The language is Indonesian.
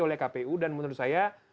oleh kpu dan menurut saya